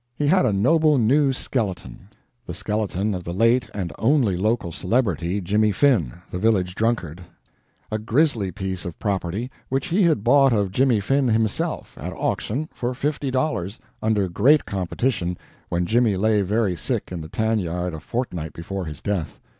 He had a noble new skeleton the skeleton of the late and only local celebrity, Jimmy Finn, the village drunkard a grisly piece of property which he had bought of Jimmy Finn himself, at auction, for fifty dollars, under great competition, when Jimmy lay very sick in the tan yard a fortnight before his death.